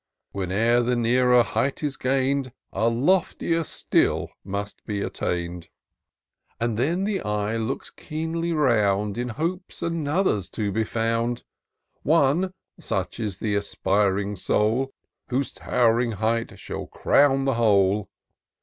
Whene'er the nearer height is gain'd, A loftier still must be attain'd ; And then the eye looks keenly round. In hope another's to be found ; One — ^such is the aspiring soul — Whose tow'ring height shall crown the whole.